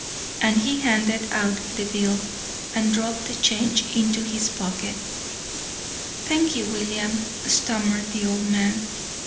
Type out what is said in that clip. And he handed out the bill, and dropped the change into his pocket. "Thank you, William," stammered the old man.